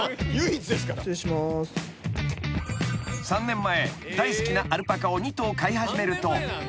［３年前大好きなアルパカを２頭飼い始めると］